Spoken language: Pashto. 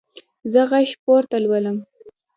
زه غږ پورته لولم.